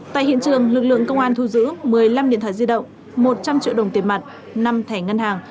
tại hiện trường lực lượng công an thu giữ một mươi năm điện thoại di động một trăm linh triệu đồng tiền mặt năm thẻ ngân hàng